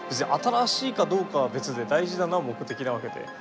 新しいかどうかは別で大事なのは目的なわけで。